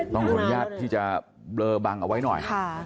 ขออนุญาตที่จะเบลอบังเอาไว้หน่อย